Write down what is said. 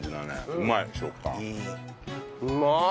うまい。